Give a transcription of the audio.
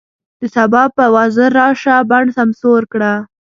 د سبا په وزر راشه، بڼ سمسور کړه